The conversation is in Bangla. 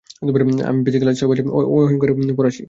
আমি প্যাসকাল সাওভ্যাজ, অতিঅহংকারী ফরাসি।